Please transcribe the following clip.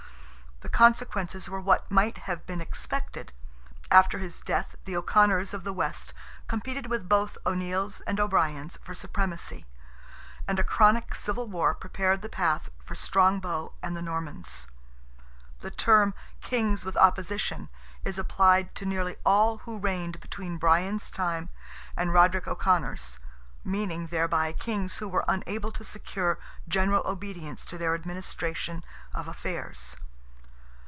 The consequences were what might have been expected. After his death the O'Conors of the west competed with both O'Neills and O'Briens for supremacy, and a chronic civil war prepared the path for Strongbow and the Normans. The term "Kings with Opposition" is applied to nearly all who reigned between Brian's time and Roderick O'Conor's, meaning, thereby, kings who were unable to secure general obedience to their administration of affairs.